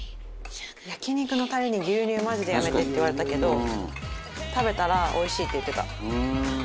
「焼肉のタレに牛乳マジでやめて」って言われたけど食べたら「おいしい」って言ってた。